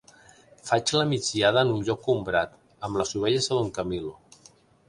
Faig la migdiada en un lloc ombrat amb les ovelles de don Camilo.